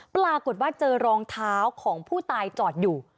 ปรากฏว่าเจอรองเท้าของผู้ตายจอดอยู่